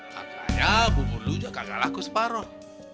karena ya bubur lo juga kagak laku separuh